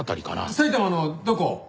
埼玉のどこ？